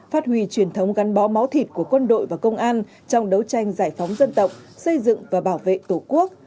phát huy truyền thống gắn bó máu thịt của quân đội và công an trong đấu tranh giải phóng dân tộc xây dựng và bảo vệ tổ quốc